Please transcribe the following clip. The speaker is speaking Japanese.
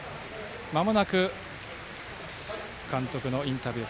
まもなく監督のインタビュー。